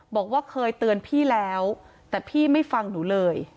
บอกว่าเคยเตือนพี่แล้วแต่พี่ไม่ฟังหนูเลย